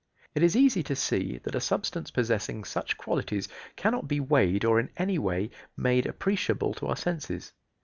It is easy to see that a substance possessing such qualities cannot be weighed or in any way made appreciable to our senses.